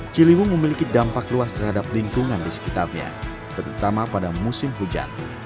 ciliwung memiliki dampak luas terhadap lingkungan di sekitarnya terutama pada musim hujan